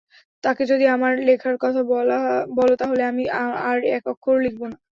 তাঁকে যদি আমার লেখার কথা বল তা হলে আমি আর এক অক্ষর লিখব না।